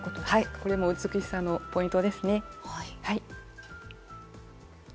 これも美しさのポイントですね。